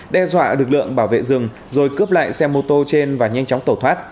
đe dọa lực lượng bảo vệ rừng rồi cướp lại xe mô tô trên và nhanh chóng tẩu thoát